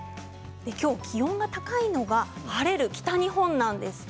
きょう気温が高いのが晴れる北日本なんです。